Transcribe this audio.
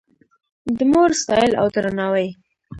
د مور ستایل او درناوی